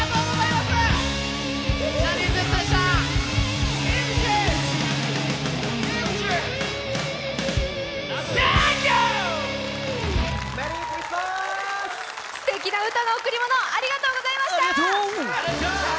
すてきな歌の贈り物、ありがとうございました。